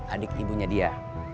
adik ibunya dia